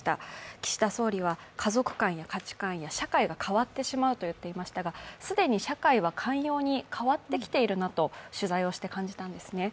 岸田総理は家族観や価値観や社会が変わってしまうと発言しましたが既に社会は寛容に変わってきているなと取材をして感じたんですね。